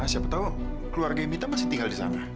siapa tahu keluarga yang mita masih tinggal di sana